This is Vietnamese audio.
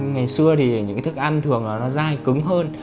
ngày xưa thì những thức ăn thường là dai cứng hơn